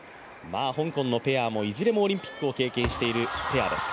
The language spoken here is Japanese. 香港のペアもいずれもオリンピックを経験しているペアです。